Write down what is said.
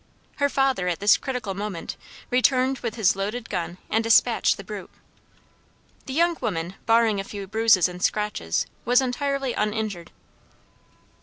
Her father, at this critical moment, returned with his loaded gun and dispatched the brute. The young woman, barring a few bruises and scratches, was entirely uninjured.